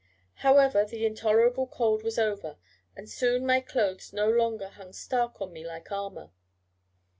However, the intolerable cold was over, and soon my clothes no longer hung stark on me like armour.